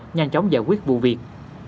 nhanh chóng giải quyết vụ việc